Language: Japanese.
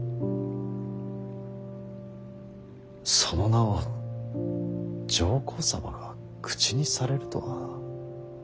その名を上皇様が口にされるとは。